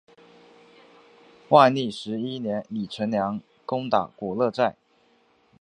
万历十一年李成梁攻打古勒寨。